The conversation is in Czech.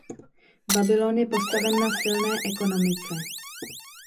Babylon je postaven na silné ekonomice.